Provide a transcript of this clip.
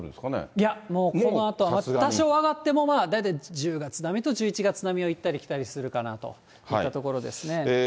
いや、もうこのあとは多少上がっても、大体１０月並みと１１月並みを行ったり来たりするかなといったところですね。